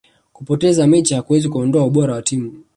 kupoteza mechi hakuwezi kuondoa ubora wa timu